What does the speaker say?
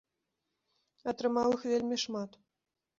Атрымаў іх вельмі шмат.